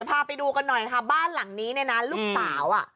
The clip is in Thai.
พาไปดูกันหน่อยค่ะบ้านหลังนี้เนี่ยนะลูกสาวอ่ะ